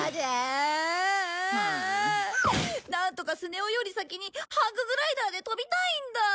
なんとかスネ夫より先にハンググライダーで飛びたいんだ！